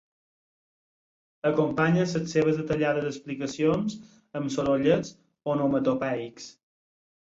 Acompanya les seves detallades explicacions amb sorollets onomatopeics.